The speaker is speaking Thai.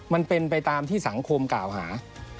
มันเป็นไปตามที่สังคมกล่าวหา